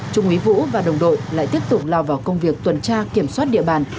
trung úy vũ và đồng đội lại tiếp tục lao vào công việc tuần tra kiểm soát địa bàn